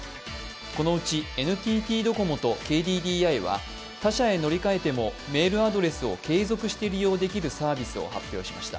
このうちＮＴＴドコモとＫＤＤＩは他社へ乗り換えてもメールアドレスを継続して利用できるサービスを発表しました。